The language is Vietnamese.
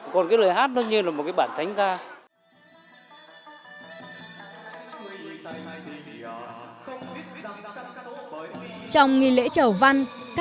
còn cái lời hát nó như là một cái bản thánh ca